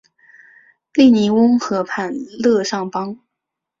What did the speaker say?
利尼翁河畔勒尚邦。